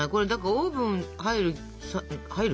オーブン入る？